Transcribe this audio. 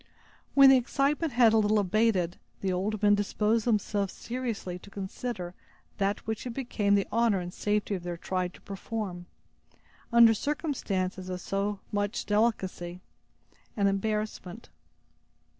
When the excitement had a little abated, the old men disposed themselves seriously to consider that which it became the honor and safety of their tribe to perform, under circumstances of so much delicacy and embarrassment.